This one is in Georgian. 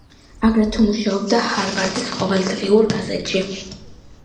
აგრეთვე მუშაობდა ჰარვარდის ყოველდღიურ გაზეთში.